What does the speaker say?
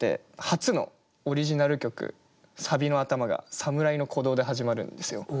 初のオリジナル曲サビの頭が「侍の鼓動」で始まるんですよ。